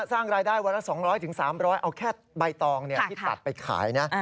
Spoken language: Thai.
สร้างรายได้วันละ๒๐๐๓๐๐เอาแค่ใบตองที่ตัดไปขายนะ